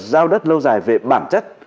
giao đất lâu dài về bản chất